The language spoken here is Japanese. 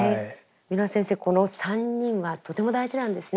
蓑輪先生この３人はとても大事なんですね。